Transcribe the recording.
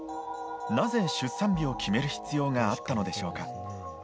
なぜ、出産日を決める必要があったのでしょうか？